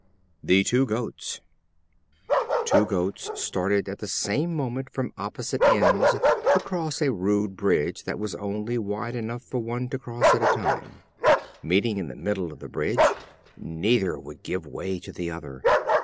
The Two Goats. Two Goats started at the same moment, from opposite ends, to cross a rude bridge that was only wide enough for one to cross at a time. Meeting at the middle of the bridge, neither would give way to the other.